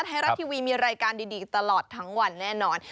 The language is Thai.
ไทยรัฐทีวีมีรายการดีตลอดทั้งวันแน่นอน